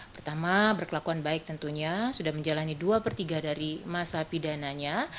pertama berkelakuan baik tentunya sudah menjalani dua per tiga dari masa pidananya